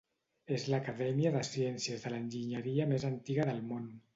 És l'acadèmia de ciències de l'enginyeria més antiga del món.